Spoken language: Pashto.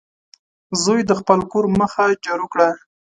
زوی د خپل کور مخه جارو کړه.